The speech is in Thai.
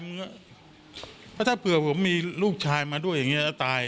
เพราะถ้าเผื่อผมมีลูกชายมาด้วยก็ตาย